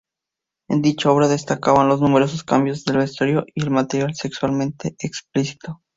En dicha obra destacaban los numerosos cambios de vestuario y el material sexualmente explícito.